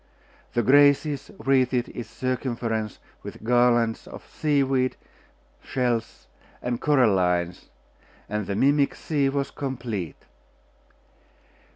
The Graces wreathed its circumference with garlands of sea weed, shells, and corallines, and the mimic sea was complete.